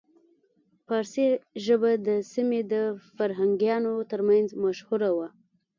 پارسي ژبه د سیمې د فرهنګیانو ترمنځ مشهوره وه